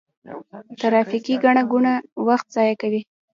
ترافیکي ګڼه ګوڼه وخت ضایع کوي.